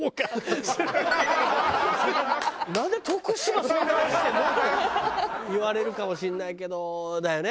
なんで徳島そんな愛してるの？って言われるかもしれないけどだよね？